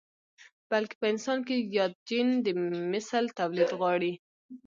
بلکې په انسان کې ياد جېن د مثل توليد غواړي.